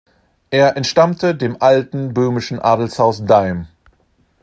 Er entstammte dem alten böhmischen Adelshaus Deym.